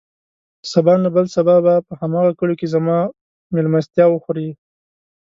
سبا نه، بل سبا به په هماغه کليو کې زما مېلمستيا وخورې.